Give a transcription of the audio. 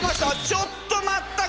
「ちょっと待った！」